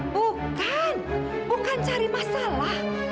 bukan bukan cari masalah